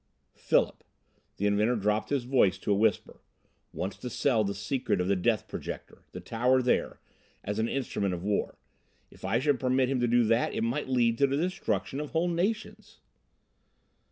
"Philip" the inventor dropped his voice to a whisper "wants to sell the secret of the Death Projector the tower, there as an instrument of war. If I should permit him to do that, it might lead to the destruction of whole nations!"